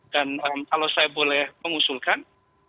dan kalau saya boleh mengusulkan